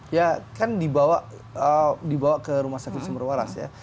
ya kan dibawa ke rumah sakit semerwaras ya